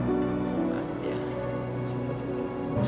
tidak tidak tidak tidak